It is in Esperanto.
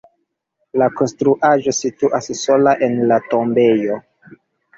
La konstruaĵo situas sola en la tombejo.